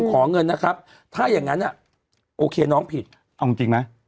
ขอเงินนะครับถ้าอย่างนั้นโอเคน้องผิดเอาจริงไหม